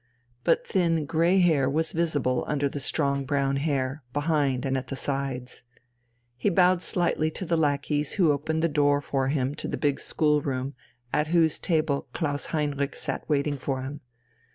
But thin grey hair was visible under the strong brown hair behind and at the sides. He bowed slightly to the lackeys who opened the door for him to the big schoolroom at whose table Klaus Heinrich sat waiting for him.